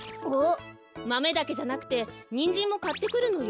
マメだけじゃなくてニンジンもかってくるのよ。